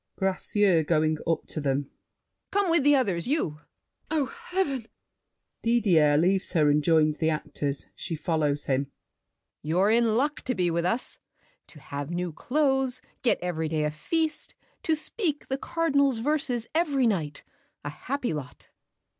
GRACIEUX (going up to them). Come with the others—you! MARION. Oh, heaven! [Didier leaves her and joins the actors; she follows him. GRACIEUX. You're in luck to be with us. To have new clothes, get every day a feast, To speak the Cardinal's verses every night, A happy lot!